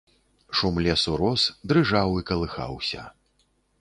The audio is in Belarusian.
Шум лесу рос, дрыжаў і калыхаўся.